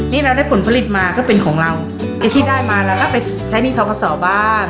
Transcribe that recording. นี่เราได้ผลผลิตมาก็เป็นของเราที่ได้มาแล้วก็ไปใช้หนี้ท้องขสอบบ้าง